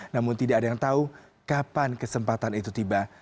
namun tidak ada yang tahu kapan kesempatan itu tiba